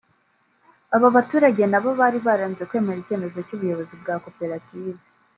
aba baturage nabo bari baranze kwemera icyemezo cy’ubuyobozi bwa koperative